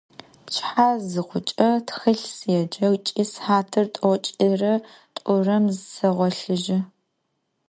Pçıhe zıxhuç'e txılh sêce ıç'i sıhatır t'oç'ire t'urem seğolhıjı.